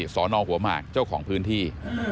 สอนอหัวหมากเจ้าของพื้นที่